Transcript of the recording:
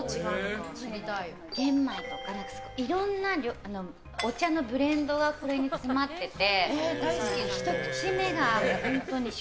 玄米とかいろんなお茶のブレンドがこれに詰まってて。